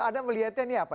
anda melihatnya ini apa